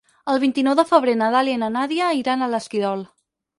El vint-i-nou de febrer na Dàlia i na Nàdia iran a l'Esquirol.